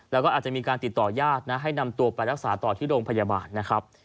แล้วก็อาจจะมีการติดต่อญาตินะให้นำตัวไปรักษาต่อที่โรงพยาบาลนะครับ